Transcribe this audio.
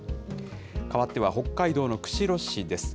かわっては北海道の釧路市です。